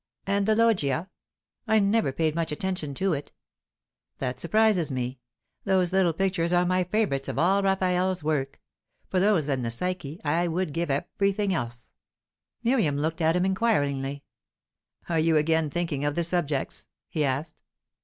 "And the Loggia?" "I never paid much attention to it." "That surprises me. Those little pictures are my favourites of all Raphael's work. For those and the Psyche, I would give everything else." Miriam looked at him inquiringly. "Are you again thinking of the subjects?" he asked.